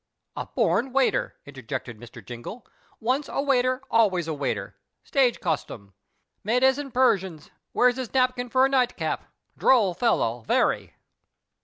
" A born waiter," interjected Mr. Jingle, " once a waiter always a waiter — stage custom — Medes and Persians — wears his napkin for a nightcap — droll fellow, very."